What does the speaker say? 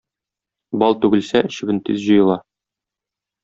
Бал түгелсә чебен тиз җыела.